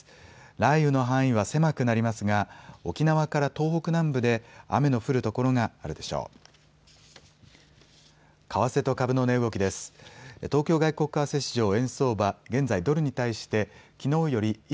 雷雨の範囲は狭くなりますが、沖縄から東北南部で雨の降る所があるでしょう。